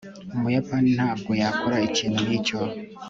umuyapani ntabwo yakora ikintu nkicyo